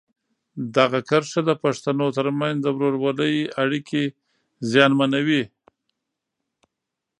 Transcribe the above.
دغه کرښه د پښتنو ترمنځ د ورورولۍ اړیکې زیانمنوي.